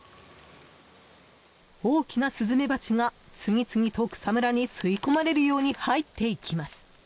大きなスズメバチが次々と草むらに吸い込まれるように入っていきます。